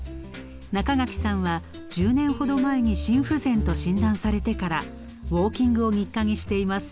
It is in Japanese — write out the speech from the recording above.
中垣さんは１０年ほど前に心不全と診断されてからウォーキングを日課にしています。